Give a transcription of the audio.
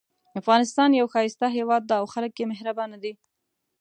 افغانستان یو ښایسته هیواد ده او خلک یې مهربانه دي